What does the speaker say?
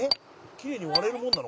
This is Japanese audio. きれいに割れるもんなの？